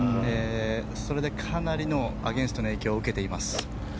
それでかなりのアゲンストの影響を受けています。